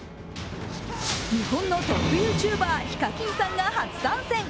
日本のトップＹｏｕＴｕｂｅｒ・ＨＩＫＡＫＩＮさんが初参戦。